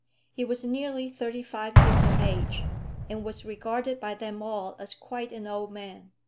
He was nearly thirty five years of age, and was regarded by them all as quite an old man.